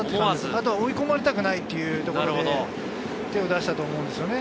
あとは追い込まれたくないというところで手を出したと思うんですよね。